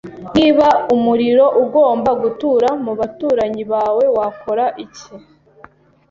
Niba umuriro ugomba gutura mu baturanyi bawe, wakora iki?